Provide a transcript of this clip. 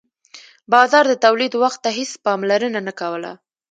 بازار د تولید وخت ته هیڅ پاملرنه نه کوله.